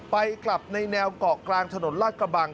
ไปกลับในแนวเกาะกลางถนนลาดกระบัง